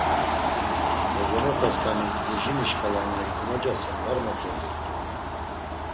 Bozomotasǩanik Lujini şǩala na ikomocasen var motzondurt̆u.